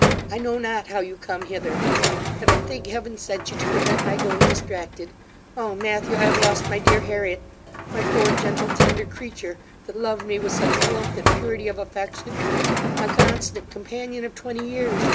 I know not how you came hither; but, I think, Heaven sent you to prevent my going distracted O Matthew! I have lost my dear Harriet! my poor, gentle, tender creature, that loved me with such warmth and purity of affection my constant companion of twenty years!